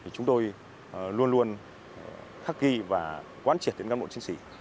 chúng tôi luôn luôn khắc ghi và quán triệt đến cán bộ chiến sĩ